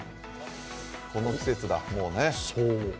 この季節だ、もうね。